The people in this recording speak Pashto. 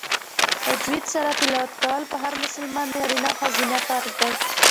تجوید سره تلاوت کول په هر مسلمان نارینه او ښځینه فرض دی